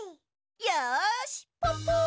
よしポッポ！